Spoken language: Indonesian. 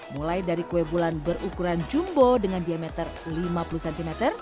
mulai dari kue bulan berukuran jumbo dengan diameter lima puluh cm